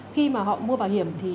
khi mà họ mua bảo hiểm thì